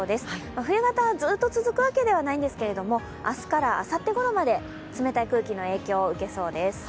冬型はずっと続くわけではないんですけども明日からあさってごろまで冷たい空気の影響を受けそうです。